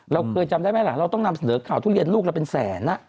เราเคยจำได้ไหมล่ะเราต้องนำเสนอข่าวทุเรียนลูกเราเป็นแสน